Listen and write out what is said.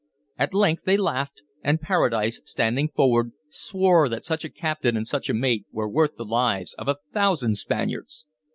At length they laughed, and Paradise, standing forward, swore that such a captain and such a mate were worth the lives of a thousand Spaniards.